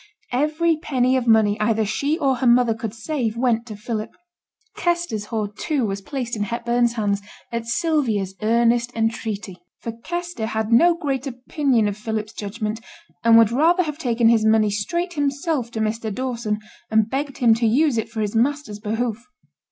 Every penny of money either she or her mother could save went to Philip. Kester's hoard, too, was placed in Hepburn's hands at Sylvia's earnest entreaty; for Kester had no great opinion of Philip's judgment, and would rather have taken his money straight himself to Mr. Dawson, and begged him to use it for his master's behoof.